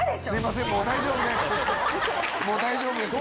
もう大丈夫です。